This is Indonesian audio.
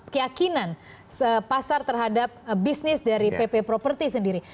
keyakinan pasar terhadap bisnis dari pp properti sendiri